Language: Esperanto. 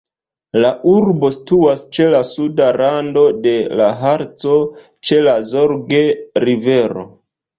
La urbo situas ĉe la suda rando de la Harco, ĉe la Zorge-rivero.